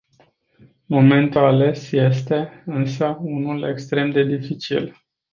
Momentul ales este, însă, unul extrem de dificil.